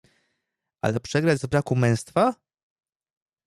"Ale przegrać z braku męstwa?!"